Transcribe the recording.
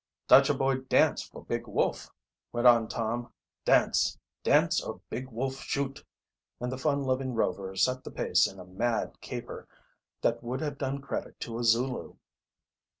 "Dutcha boy dance for Big Wolf," went on Tom. "Dance! Dance or Big Wolf shoot!" And the fun loving Rover set the pace in a mad, caper that would have done credit to a Zulu.